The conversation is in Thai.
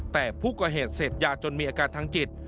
แต่ผู้ก่อเหตุเสพยาจนมีอาการทางจิต